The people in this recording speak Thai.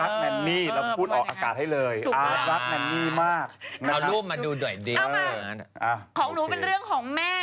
ทำไมมันเลวกเมียบอกคุณแม่